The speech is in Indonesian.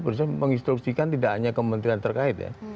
peristiwa menginstruksikan tidak hanya kementerian terkait